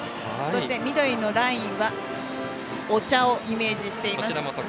そして、緑のラインはお茶をイメージしています。